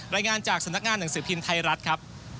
รายงานจากสำนักงานหนังสือพิมพ์ไทยรัฐครับ